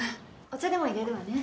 お茶でも入れるわね。